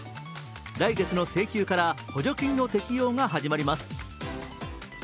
来月の請求から補助金の適用が始まります。